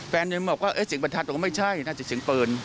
แฟนมันบอกว่าเสียงบรรทัดผมไม่ใช่น่าจะเสียงเปิล